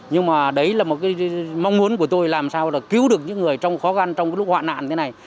nhưng mà đấy là một cái mong muốn của tôi làm sao là cứu được những người trong khó khăn trong cái lúc hoạn nạn thế này